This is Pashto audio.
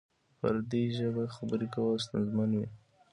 په پردۍ ژبه خبری کول ستونزمن وی؟